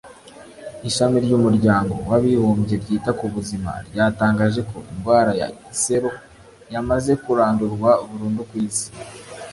Ishami ry’umuryango w’abibumbye ryita ku buzima ryatangaje ko indwara ya’iseru yamaze kurandurwa burundu ku isi